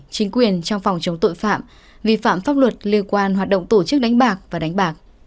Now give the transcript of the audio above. chính quyền trong phòng chống tội phạm vi phạm pháp luật liên quan hoạt động tổ chức đánh bạc và đánh bạc